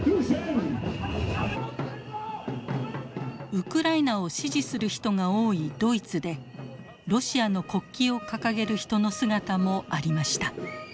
ウクライナを支持する人が多いドイツでロシアの国旗を掲げる人の姿もありました。